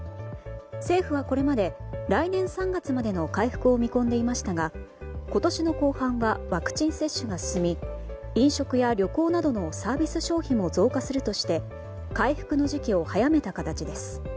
政府はこれまで来年３月までの回復を見込んでいましたが今年の後半はワクチン接種が進み飲食や旅行などのサービス消費も増加するとして回復の時期を早めた形です。